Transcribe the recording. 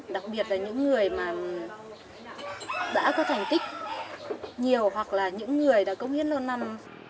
đặc biệt là những người mà đã có thành tích nhiều hoặc là những người đã cống hiến lâu năm